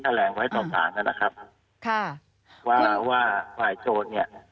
แถล่งไว้ต่อฝากนั้นนะครับค่ะว่าว่าฝ่ายโจดเนี้ย